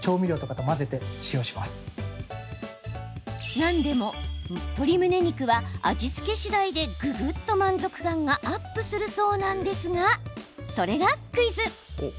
なんでも鶏むね肉は味付け次第でぐぐっと満足感がアップするそうなんですがそれがクイズ。